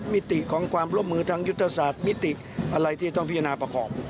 มิติของความร่วมมือทางยุทธศาสตร์มิติอะไรที่จะต้องพิจารณาประกอบ